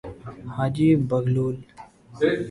حاجی بغلول